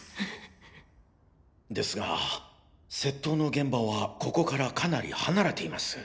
ですが窃盗の現場はここからかなり離れています。